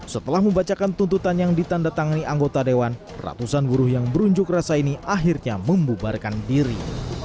setelah membacakan tuntutan yang ditanda tangani anggota dewan ratusan buruh yang berunjuk rasa ini akhirnya membubarkan diri